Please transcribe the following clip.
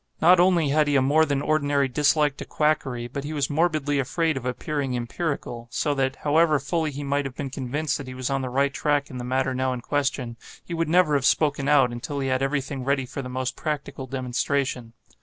Not only had he a more than ordinary dislike to quackery, but he was morbidly afraid of appearing empirical; so that, however fully he might have been convinced that he was on the right track in the matter now in question, he would never have spoken out, until he had every thing ready for the most practical demonstration.